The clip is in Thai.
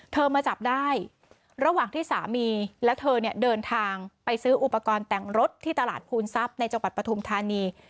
มาจับได้ระหว่างที่สามีและเธอเนี่ยเดินทางไปซื้ออุปกรณ์แต่งรถที่ตลาดภูนทรัพย์ในจังหวัดปฐุมธานี